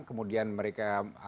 kemudian mereka melakukan